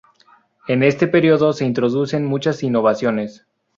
En este periodo se introducen muchas innovaciones.